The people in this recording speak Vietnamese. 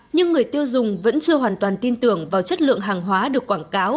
nhưng người tiêu dùng vẫn chưa hoàn toàn tin tưởng vào chất lượng hàng hóa được quảng cáo